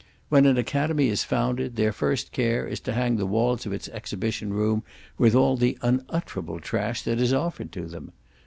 When an academy is founded, their first care is to hang the walls of its exhibition room with all the unutterable trash that is offered to them.